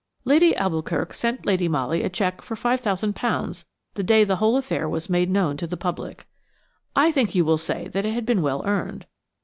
Lady d'Alboukirk sent Lady Molly a cheque for £5,000 the day the whole affair was made known to the public. I think you will say that it had been well earned.